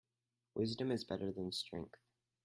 Wisdom is better than strength.